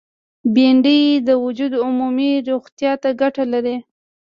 بېنډۍ د وجود عمومي روغتیا ته ګټه لري